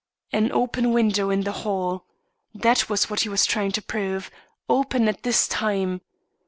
An open window in the hall! That was what he was trying to prove open at this time.